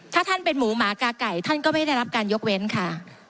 ถ้าท่านเป็นหมูหมากาไก่ท่านก็ไม่ได้รับการยกเว้นค่ะ